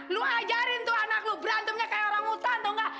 lu ajarin tuh anak lu berantemnya kayak orang hutan tau gak